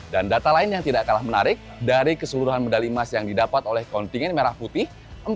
dan data lain yang tidak kalah menarik dari keseluruhan medali emas yang didapat oleh kontingen merah putih